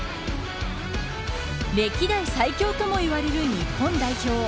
歴代最強ともいわれる日本代表。